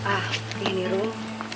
ah ini rum